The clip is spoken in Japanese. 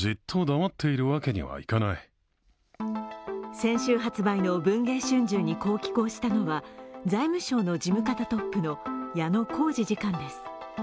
先週発売の「文藝春秋」にこう寄稿したのは財務省の事務方トップの矢野康司次官です。